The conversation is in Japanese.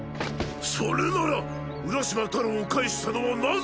それなら浦島太郎を帰したのはなぜだ。